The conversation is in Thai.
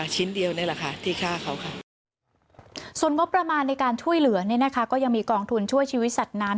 ส่วนงบประมาณในการช่วยเหลือยังมีกองทุนช่วยชีวิตสัตว์น้ำ